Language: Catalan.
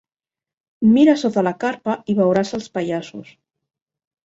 Mira sota la carpa i veuràs els pallassos.